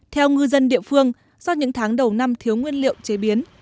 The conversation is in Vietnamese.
theo ngư dân địa phương do những tháng đầu năm thiếu nguyên liệu chế biến